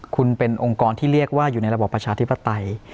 คุณเป็นองค์กรที่เรียกว่าอยู่ในระบอบประชาธิปไตย